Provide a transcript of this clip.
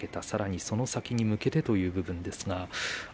さらにその先に向けてという部分ですが。